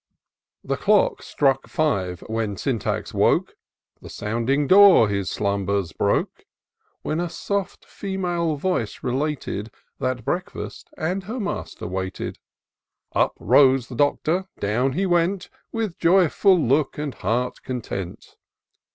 HE clock struck five when Syntax woke ; The sounding door his slumbers broke: When a soft female voice related That breakfast and her master waited : Up rose the Doctor, down he went, With joyful look and heart content.